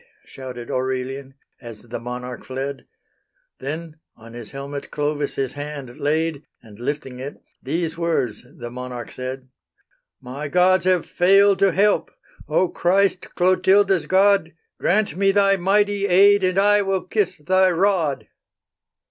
Shouted Aurelian, as the monarch fled; Then, on his helmet, Clovis his hand laid, And lifting it, these words the monarch said: "My gods have failed to help: O Christ, Clotilda's God, Grant me Thy mighty aid, and I will kiss Thy rod."